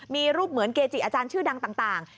มีรูปเหมือนเกจิอาจารย์ชื่อดังต่าง